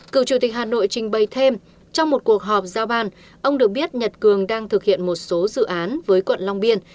cựu chủ tịch hà nội trình bày thêm trong một cuộc họp giao ban ông được biết nhật cường đang thực hiện một số dự án với quận long biên